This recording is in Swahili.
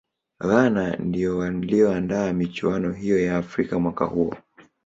ghana ndiyo waliyoandaa michuano hiyo ya afrika mwaka huo